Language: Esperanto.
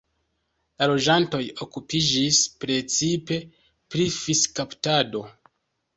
La loĝantoj okupiĝis precipe pri fiŝkaptado.